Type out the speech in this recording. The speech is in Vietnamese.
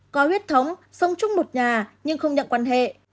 có huyết thống sống chung một nhà nhưng không nhận quan hệ